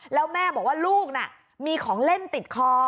แล้วแม่บอกว่าลูกน่ะมีของเล่นติดคอ